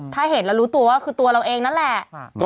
ถ้าเห็นแล้วรู้ตัวว่าคือตัวเราเองนั่นแหละ